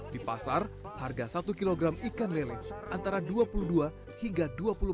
di pasar harga satu kg ikan lele antara dua puluh dua hingga rp dua puluh